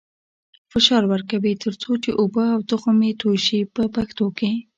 فشار ورکوي تر څو چې اوبه او تخم یې توی شي په پښتو کې.